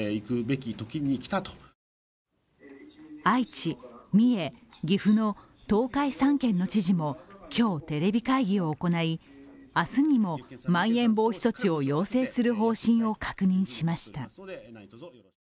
愛知、三重、岐阜の東海３県の知事も今日、テレビ会議を行い、明日にもまん延防止措置を要請する方針を確認しました。